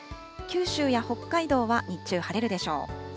九州や北海道は日中、晴れるでしょう。